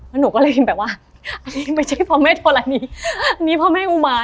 แล้วหนูก็ได้ยินแบบว่าอันนี้ไม่ใช่พระแม่ธรณีนี่พระแม่อุมาร